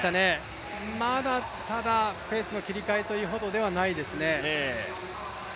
ただ、まだペースの切り替えというほどではないですね。